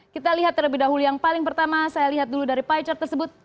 kita lihat terlebih dahulu yang paling pertama saya lihat dulu dari piecher tersebut